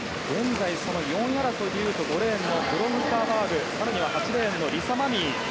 ４位争いは５レーンのブロムスターバーグ更には８レーンのリサ・マミー。